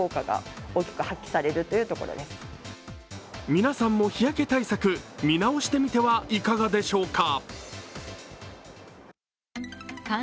皆さんも日焼け対策見直してみてはいかがでしょうか。